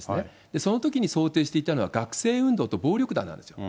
そのときに想定していたのは、学生運動と暴力団なんですよ。